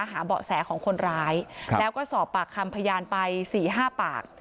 เบาะแสของคนร้ายแล้วก็สอบปากคำพยานไป๔๕ปาก